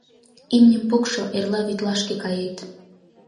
Имньым пукшо, эрла Вӱтлашке кает...